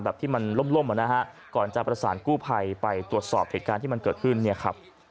ที่มันล่มอ่ะนะฮะก่อนจะประสานกู้ภัยไปตรวจสอบเหตุการณ์ที่มันเกิดขึ้นเนี่ยครับ